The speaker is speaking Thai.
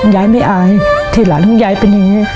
ยายไม่อายที่หลานของยายเป็นอย่างนี้